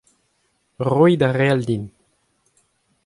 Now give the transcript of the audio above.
Roit ar re all din.